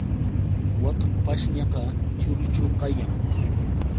Wak pashñaqa churchu kayan.